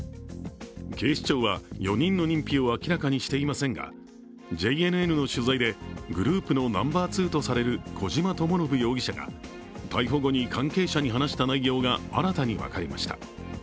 警視庁は４人の認否を明らかにしていませんが、ＪＮＮの取材でグループのナンバー２とされる小島智信容疑者が逮捕後に関係者に話した内容が新たに分かりました。